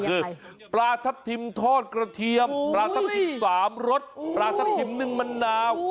คือปลาทับทิมทอดกระเทียมปลาทับทิม๓รสปลาทับทิมนึ่งมะนาว